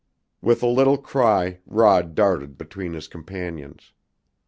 With a little cry Rod darted between his companions.